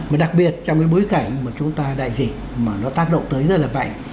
mà đặc biệt trong cái bối cảnh mà chúng ta đại dịch mà nó tác động tới rất là mạnh